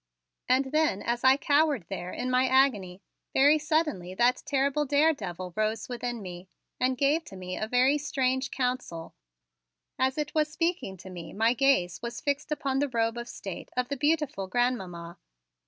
And then as I cowered there in my agony, very suddenly that terrible daredevil rose within me and gave to me a very strange counsel. As it was speaking to me my gaze was fixed upon the robe of state of the beautiful Grandmamma.